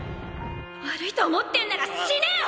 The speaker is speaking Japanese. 悪いと思ってんなら死ねよ！！